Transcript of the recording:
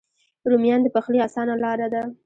رومیان د پخلي آسانه لاره ده